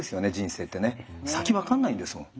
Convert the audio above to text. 先分かんないんですもん。